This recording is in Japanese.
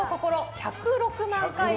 １０６万回再生。